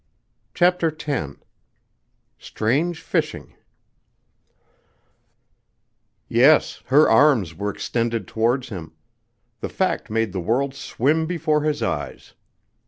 CHAPTER X Strange Fishing Yes, her arms were extended towards him. The fact made the world swim before his eyes.